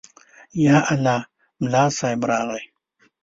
_يالله، ملا صيب راغی.